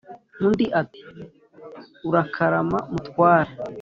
undi ati"urakarama mutware"